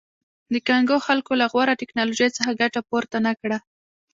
د کانګو خلکو له غوره ټکنالوژۍ څخه ګټه پورته نه کړه.